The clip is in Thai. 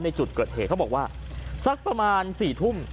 ในจุดเกิดเหตุเขาบอกว่าสักประมาณ๔ทุ่ม